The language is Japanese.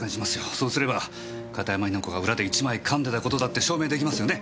そうすれば片山雛子が裏で一枚噛んでた事だって証明出来ますよね。